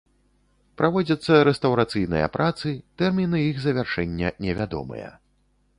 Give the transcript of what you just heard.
Праводзяцца рэстаўрацыйныя працы, тэрміны іх завяршэння невядомыя.